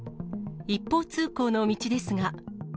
一方通行の道ですが。